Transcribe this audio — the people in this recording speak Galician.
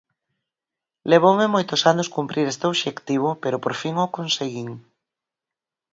Levoume moitos anos cumprir este obxectivo pero por fin o conseguín.